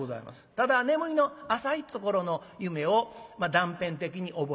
ただ眠りの浅いところの夢を断片的に覚えてる。